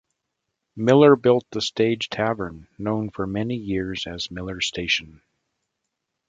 Miller built the Stage Tavern, known for many years as "Miller Station".